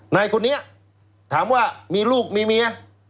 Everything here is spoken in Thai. นายคนนี้ถามว่ามีลูกมีเมีย